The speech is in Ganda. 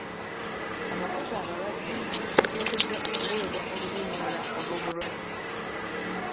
Abakozi abalwadde bateekeddwa okuweebwa oluwummula lw'obulwadde.